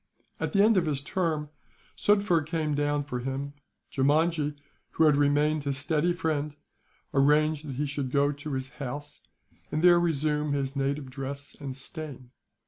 At the end of his term, Sufder came down for him. Jeemajee, who had remained his steady friend, arranged that he should go to his house, and there resume his native dress and stain.